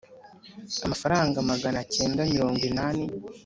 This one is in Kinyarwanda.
amafaranga magana cyenda mirongo inani